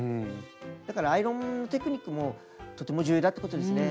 だからアイロンテクニックもとても重要だってことですね。